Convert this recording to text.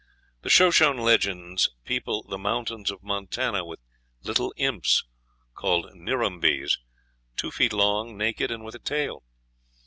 "The Shoshone legends people the mountains of Montana with little imps, called Nirumbees, two feet long, naked, and with a tail."